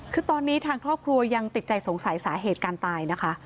คือตอนนี้ทางครอบครัวยังติดใจสงสัยสาเหตุการตายนะคะ